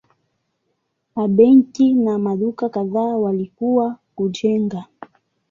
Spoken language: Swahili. A benki na maduka kadhaa walikuwa kujengwa.